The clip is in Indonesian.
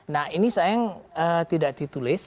nah ini sayang tidak ditulis